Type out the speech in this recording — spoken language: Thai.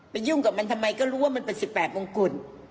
ไปยุ่งกับมันทำไมก็รู้ว่ามันเป็นสิบแปดวงกุล